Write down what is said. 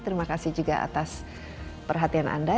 terima kasih juga atas perhatian anda